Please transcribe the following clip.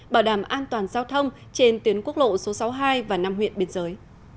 bảo đảm an toàn giao thông trên tuyến quốc lộ số sáu mươi hai và năm huyện biên giới